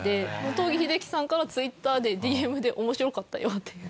東儀秀樹さんからＴｗｉｔｔｅｒでＤＭで「面白かったよ」っていう。